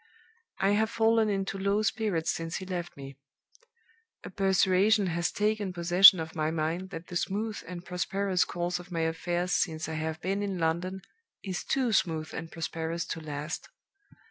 "I have fallen into low spirits since he left me. A persuasion has taken possession of my mind that the smooth and prosperous course of my affairs since I have been in London is too smooth and prosperous to last.